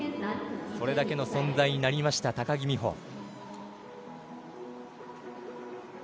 それだけの存在になりました、高木美帆。